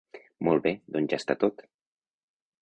Molt bé, doncs ja està tot.